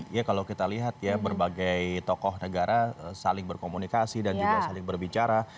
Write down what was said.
ya kalau kita lihat ya berbagai tokoh negara saling berkomunikasi dan juga saling berbicara